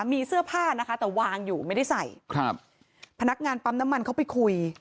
มีเสื้อผ้านะคะแต่วางอยู่ไม่ได้ใส่ครับพนักงานปั๊มน้ำมันเขาไปคุย